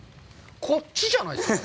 こっちじゃないですか？